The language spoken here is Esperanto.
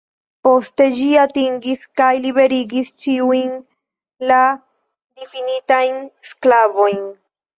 Poste ĝi atingis kaj liberigis ĉiujn la difinitajn sklavojn.